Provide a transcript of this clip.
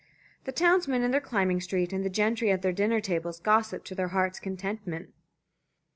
The townsmen in the climbing street and the gentry at their dinner tables gossiped to their hearts' contentment.